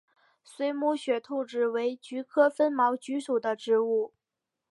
水母雪兔子为菊科风毛菊属的植物。